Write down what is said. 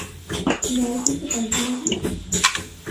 গাড়ি কিনতে পয়সা লাগে না?